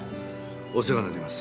お世話になります。